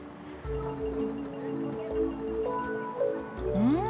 うん！